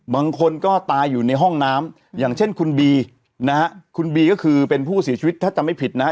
บางคนก็ตายอยู่ในห้องน้ำอย่างเช่นคุณบีนะฮะคุณบีก็คือเป็นผู้เสียชีวิตถ้าจำไม่ผิดนะฮะ